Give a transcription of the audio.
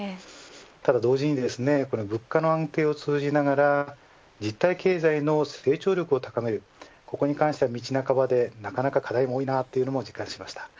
ただ同時に物価の安定を通じながら実体経済の成長力を高めるここに関しては道半ばでなかなか課題が多いというを感じました。